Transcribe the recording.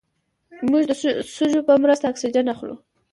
موږ د سږو په مرسته اکسیجن اخلو